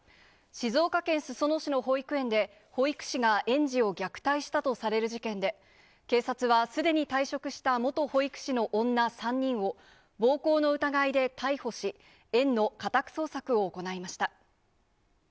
静岡県裾野市の保育園で、保育士が園児を虐待したとされる事件で、警察はすでに退職した元保育士の女３人を、暴行の疑いで逮捕し、園の家宅捜索を行いました。